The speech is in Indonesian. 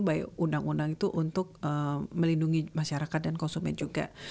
by undang undang itu untuk melindungi masyarakat dan konsumen juga